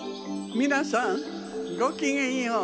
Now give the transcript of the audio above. みなさんごきげんよう。